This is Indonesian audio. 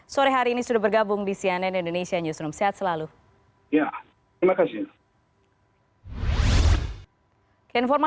sore hari ini sudah bergabung di cnn indonesia newsroom